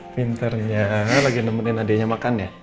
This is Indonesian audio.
pinternya lagi nemenin adiknya makan ya